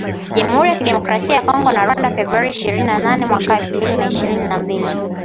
jamhuri ya kidemokrasia ya Kongo na Rwanda, Februari ishirini na nane mwaka elfu mbili ishirini na mbili